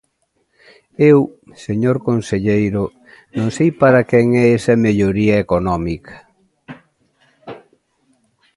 Eu, señor conselleiro, non sei para quen é esa melloría económica.